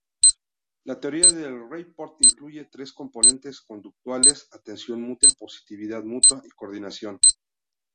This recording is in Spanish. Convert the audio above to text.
La teoría del rapport incluye tres componentes conductuales: atención mutua, positividad mutua y coordinación.